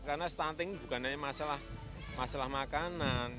karena stunting bukan hanya masalah makanan